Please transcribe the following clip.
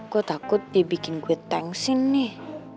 gue takut dia bikin gue thanksin nih